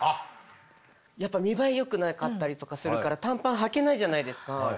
やっぱ見栄えよくなかったりとかするから短パンはけないじゃないですか。